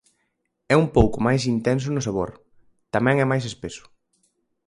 É un pouco máis intenso no sabor, tamén é máis espeso.